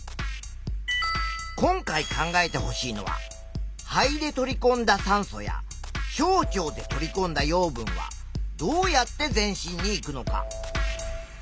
今回考えてほしいのは「肺で取りこんだ酸素や小腸で取りこんだ養分はどうやって全身にいくのか」。